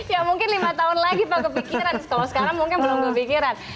ya mungkin lima tahun lagi pak kepikiran kalau sekarang mungkin belum kepikiran